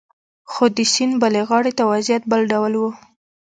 خو د سیند بلې غاړې ته وضعیت بل ډول و